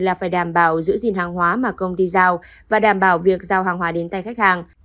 là phải đảm bảo giữ gìn hàng hóa mà công ty giao và đảm bảo việc giao hàng hóa đến tay khách hàng